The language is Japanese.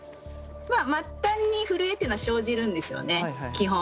末端に震えっていうのは生じるんですよね基本。